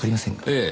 ええ。